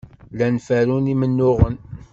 Llan ferrun imennuɣen.